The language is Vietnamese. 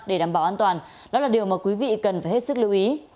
để đảm bảo an toàn đó là điều mà quý vị cần phải hết sức lưu ý